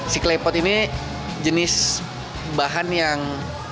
si klepot ini jenis bahan yang